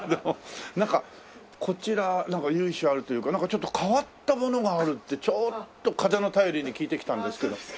なんかこちら由緒あるというかなんかちょっと変わったものがあるってちょっと風の便りに聞いてきたんですけど。